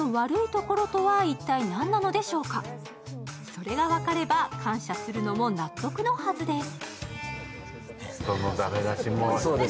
それが分かれば感謝するのも納得なはずです。